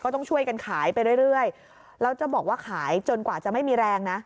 ต้องช่วยกันขายไปเรื่อยแล้วจะบอกว่าขายจนกว่าจะไม่มีแรงนะ